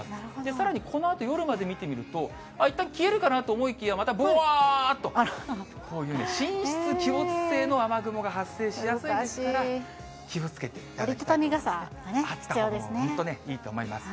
さらに、このあと夜まで見てみると、いったん消えるかなと思いきや、またぼわーっと、こういう神出鬼没性の雨雲が発生しやすいですから、気をつけていただきたいと思います。